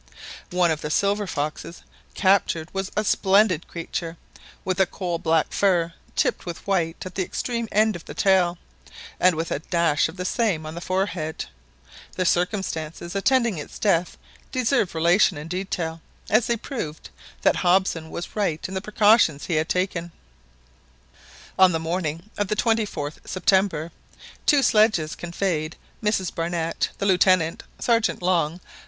One of the silver foxes captured was a splendid creature, with a coal black fur tipped with white at the extreme end of the tail, and with a dash of the some on the forehead. The circumstances attending its death deserve relation in detail, as they proved that Hobson was right in the precautions he had taken On the morning of the 24th September, two sledges conveyed Mrs Barnett, the Lieutenant, Sergeant Long.